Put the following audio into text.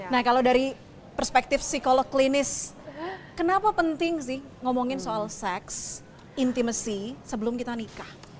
nah kalau dari perspektif psikolog klinis kenapa penting sih ngomongin soal seks intimacy sebelum kita nikah